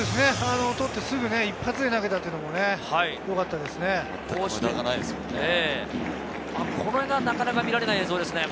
捕ってすぐ一発で投げたというのもね、よかったですね。